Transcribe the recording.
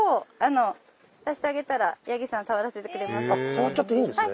触っちゃっていいんですね？